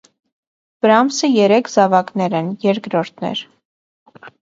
Պրամսը երեք զավակներէն երկրորդն էր։